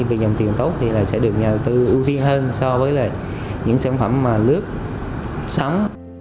vì dòng tiền tốt thì sẽ được nhà đầu tư ưu tiên hơn so với những sản phẩm mà lướt sóng